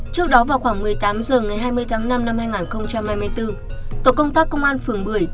trước đó vào khoảng một mươi tám h ngày hai mươi tháng năm năm hai nghìn hai mươi bốn tổ công tác công an phường bưởi